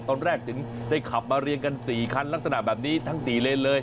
ตอนแรกถึงได้ขับมาเรียงกัน๔คันลักษณะแบบนี้ทั้ง๔เลนเลย